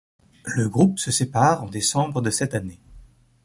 Le groupe se sépare en décembre de cette année.